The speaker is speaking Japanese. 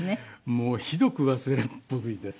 もうひどく忘れっぽいです。